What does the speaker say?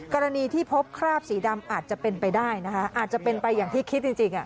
กรณีที่พบคราบสีดำอาจจะเป็นไปได้นะคะอาจจะเป็นไปอย่างที่คิดจริง